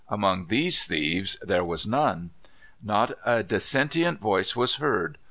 Among these thieves there was none. Not a dissentient voice was heard.